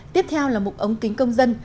tiếp theo là mục ống kính công dân